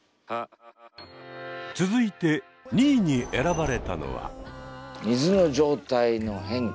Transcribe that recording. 続いて２位に選ばれたのは。